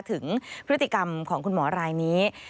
ถึงพฤติกรรมของคุณหมอรายนี้